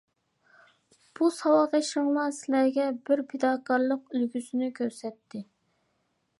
بۇ ساۋاقدىشىڭلار سىلەرگە بىر پىداكارلىق ئۈلگىسىنى كۆرسەتتى.